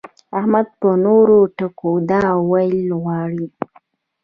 احمد په نورو ټکو دا ويل غواړي.